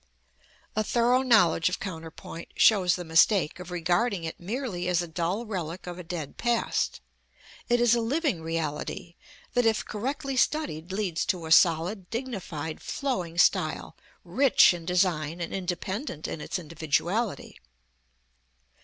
A thorough knowledge of counterpoint shows the mistake of regarding it merely as a dull relic of a dead past. It is a living reality that, if correctly studied, leads to a solid, dignified, flowing style, rich in design, and independent in its individuality.